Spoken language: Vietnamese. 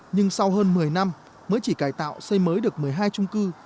nhưng sau hơn một mươi năm mới chỉ cải tạo xây mới được một mươi hai trung cư